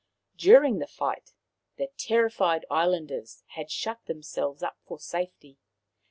During the fight the terrified islanders had shut themselves up for safety.